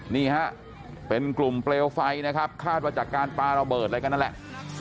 นี่ฮะเป็นกลุ่มเปลวไฟนะครับคาดว่าจากการปลาระเบิดอะไรกันนั่นแหละ